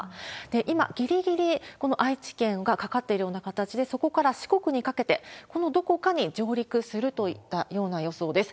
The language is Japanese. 今、ぎりぎり愛知県がかかっているような形で、そこから四国にかけて、このどこかに上陸するといったような予想です。